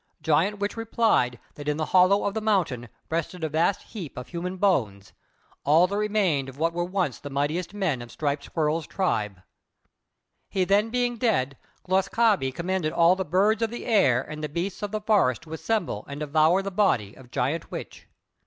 Giant Witch replied that in the hollow of the mountain rested a vast heap of human bones, all that remained of what were once the mightiest men of Striped Squirrel's tribe. He then being dead, Glūs kābé commanded all the birds of the air and the beasts of the forest to assemble and devour the body of Giant Witch.